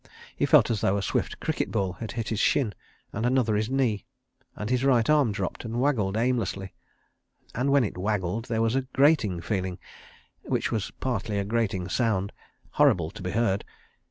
He felt as though a swift cricket ball had hit his shin, and another his knee, and his right arm dropped and waggled aimlessly—and when it waggled there was a grating feeling (which was partly a grating sound) horrible to be heard.